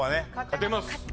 勝てます。